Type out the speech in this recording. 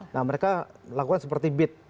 nah mereka lakukan seperti bid